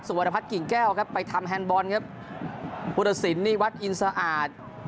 วรพัฒนกิ่งแก้วครับไปทำแฮนดบอลครับพุทธศิลปนี่วัดอินสะอาด